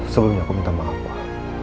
sebelumnya aku minta maaf pak